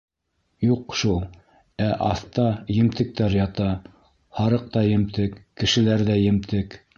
— Юҡ шул, ә аҫта емтектәр ята. һарыҡ та емтек, кешеләр ҙә емтек.